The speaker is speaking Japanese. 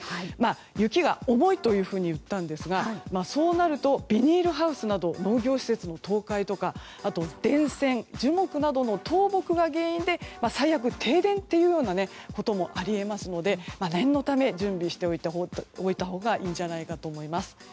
雪が重いというふうに言ったんですが、そうなるとビニールハウスなど農業施設も倒壊とか電線、樹木などの倒木が原因で最悪、停電ということもあり得ますので念のため、準備しておいたほうがいいんじゃないかと思います。